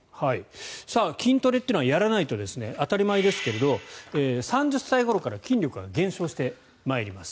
筋トレってのはやらないと当たり前ですけど３０歳ごろから筋力が減少してまいります。